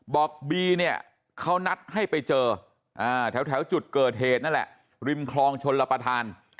บอกบีเนี่ยเขานัดให้ไปเจอแถวจุดเกิดเหตุนั่นแหละริมคลองชนรับประทาน